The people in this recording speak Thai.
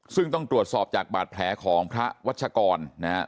ซึ่งต้องตรวจสอบจากบาดแผลของพระวัชกรนะฮะ